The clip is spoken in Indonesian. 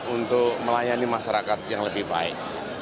untuk melayani masyarakat yang lebih baik